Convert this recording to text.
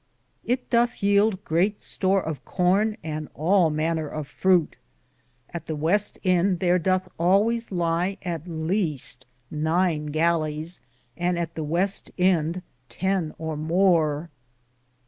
It dothe yelde greate store of corne and all maner of frute. At the weste End Thare Dothe alwayes ly at the leaste nyne gallies, and at the weste end ten or more.